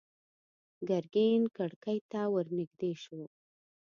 ګرګين کړکۍ ته ور نږدې شو.